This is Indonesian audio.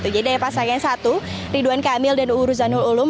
jadi dari pasangan satu ridwan kamil dan uru zanul ulum